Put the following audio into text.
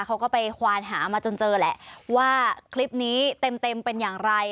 เขาก็ไปควานหามาจนเจอแหละว่าคลิปนี้เต็มเป็นอย่างไร